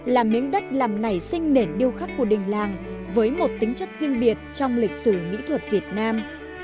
là miếng đất làm nảy sinh nền điêu khắc của đình làng với một tính chất riêng biệt trong lịch sử mỹ thuật việt nam